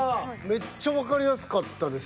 めっちゃわかりやすかったです。